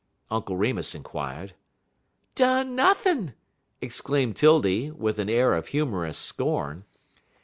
Uncle Remus inquired. "Done nothin'!" exclaimed 'Tildy, with an air of humorous scorn.